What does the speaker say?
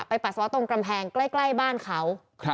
ปัสสาวะตรงกำแพงใกล้บ้านเขา